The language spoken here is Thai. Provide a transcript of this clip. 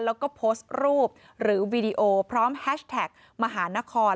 แล้วก็โพสต์รูปหรือวีดีโอพร้อมแฮชแท็กมหานคร